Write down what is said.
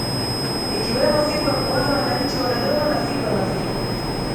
Ikiwemo siku ya kuaga wananchi wa dodoma na siku ya maziko